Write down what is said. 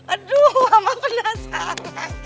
aduh mama penasaran